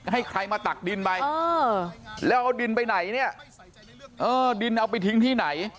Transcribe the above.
ให้ใครมาตักดินไปแล้วเอาดินไปไหนเนี่ยเออดินเอาไปทิ้งที่ไหน